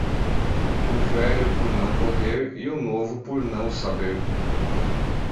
o velho por não poder e o novo por não saber